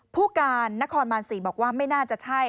ผู้การนครบาน๔บอกว่าไม่น่าจะใช่